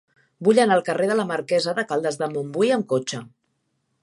Vull anar al carrer de la Marquesa de Caldes de Montbui amb cotxe.